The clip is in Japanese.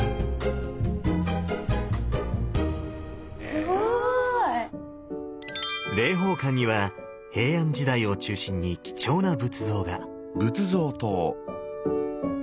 すごい！霊宝館には平安時代を中心に貴重な仏像が。